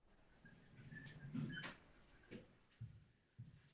Kromě jedné kostry dospělého jedince zde byly objeveny i kostry dvou mláďat tohoto dinosaura.